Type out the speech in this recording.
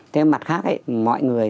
thế mặt khác mọi người